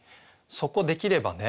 そこできればね